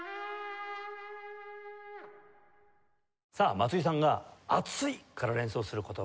さあ松井さんが「暑い」から連想する言葉